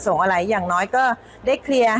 ก็เป็นสถานที่ตั้งมาเพลงกุศลศพให้กับน้องหยอดนะคะ